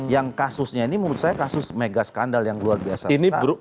yang kasusnya ini menurut saya kasus mega skandal yang luar biasa